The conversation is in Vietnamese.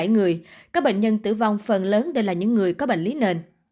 bốn mươi bảy người các bệnh nhân tử vong phần lớn đều là những người có bệnh lý nền